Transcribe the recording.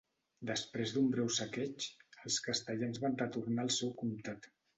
Després d'un breu saqueig, els castellans van retornar al seu comtat.